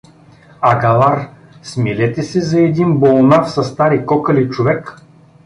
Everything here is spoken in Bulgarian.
— Агалар, смилете се за един болнав със стари кокали човек.